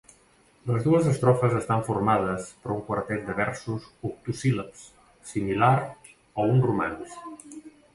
Les dues estrofes estan formades per un quartet de versos octosíl·labs, similar a un romanç.